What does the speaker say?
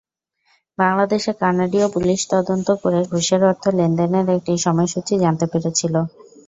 বাংলাদেশে কানাডীয় পুলিশ তদন্ত করে ঘুষের অর্থ লেনদেনের একটি সময়সূচি জানতে পেরেছিল।